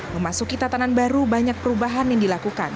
memasuki tatanan baru banyak perubahan yang dilakukan